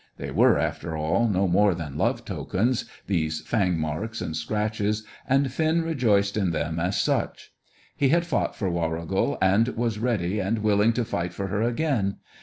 They were, after all, no more than love tokens, these fang marks and scratches, and Finn rejoiced in them as such. He had fought for Warrigal, and was ready and willing to fight for her again.